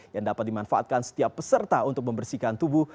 yang dapat dimanfaatkan setiap peserta untuk membersihkan tubuh